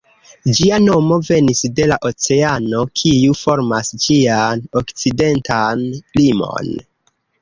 Ĝia nomo venis de la oceano, kiu formas ĝian okcidentan limon.